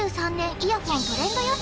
イヤホントレンド予想